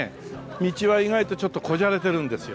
道は意外とちょっとこじゃれてるんですよ。